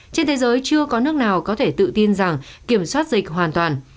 trên thế giới chưa có nước nào có thể tự tin rằng kiểm soát dịch hoàn toàn